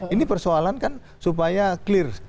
ini persoalan kan supaya clear